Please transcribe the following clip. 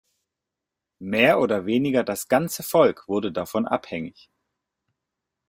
Mehr oder weniger das ganze Volk wurde davon abhängig.